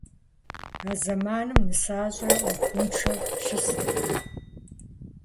А зэманым нысащӀэри Ӏуэхуншэу щыстэкъым.